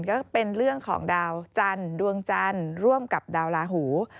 ก็เป็นเรื่องของดาวจันทร์ดวงจันทร์ร่วมกับดาวลาหู